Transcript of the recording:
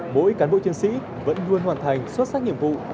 mỗi cán bộ chiến sĩ vẫn luôn hoàn thành xuất sắc nhiệm vụ